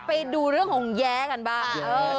ไปดูเรื่องของแย้กันบ้าง